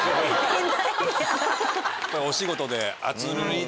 お仕事で。